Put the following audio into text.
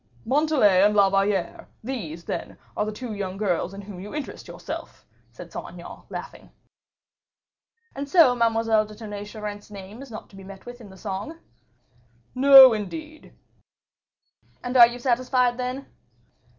"Montalais and La Valliere, these, then, are the two young girls in whom you interest yourself," said Saint Aignan, laughing. "And so Mademoiselle de Tonnay Charente's name is not to be met with in the song?" "No, indeed." "And are you satisfied, then?"